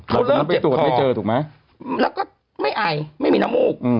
เขาเริ่มเจ็บคอแล้วก็ไม่ไอไม่มีน้ำมูก